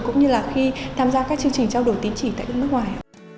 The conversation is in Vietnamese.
cũng như là khi tham gia các chương trình trao đổi tín chỉ tại nước ngoài